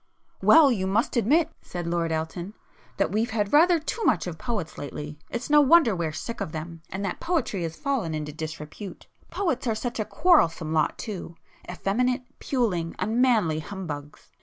"Well, you must admit," said Lord Elton, "that we've had rather too much of poets lately. It's no wonder we're sick of them, and that poetry has fallen into disrepute. Poets are such a quarrelsome lot too—effeminate, puling, unmanly humbugs!"